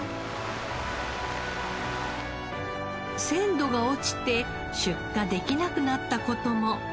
鮮度が落ちて出荷できなくなった事も。